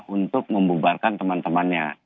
untuk membubarkan teman temannya